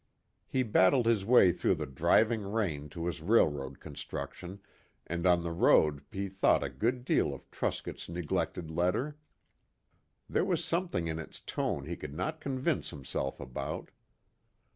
He battled his way through the driving rain to his railroad construction, and on the road he thought a good deal of Truscott's neglected letter. There was something in its tone he could not convince himself about.